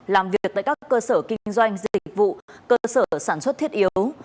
làm việc tại các cơ sở kinh doanh dịch vụ cơ sở sản xuất thiết yếu